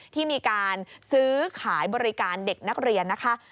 ที่มีการซื้อขายบริการเด็กนักเรียนนะคะ